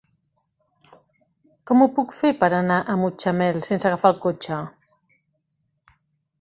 Com ho puc fer per anar a Mutxamel sense agafar el cotxe?